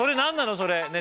それねえ